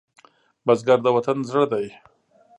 بزګر د وطن زړه دی